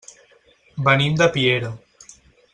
Venim de Piera.